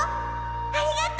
ありがと！